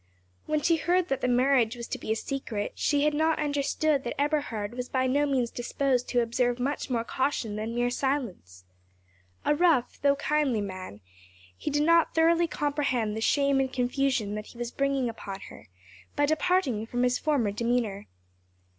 When she heard that the marriage was to be a secret, she had not understood that Eberhard was by no means disposed to observe much more caution than mere silence. A rough, though kindly man, he did not thoroughly comprehend the shame and confusion that he was bringing upon her by departing from his former demeanour.